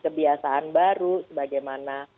kebiasaan baru sebagaimana